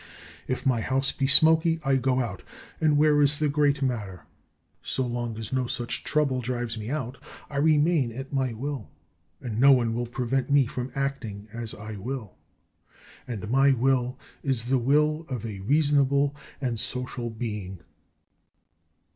If my house be smoky, I go out, and where is the great matter? So long as no such trouble drives me out, I remain at my will, and no one will prevent me from acting as I will. And my will is the will of a reasonable and social being.